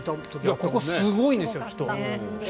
ここすごいんですよ人。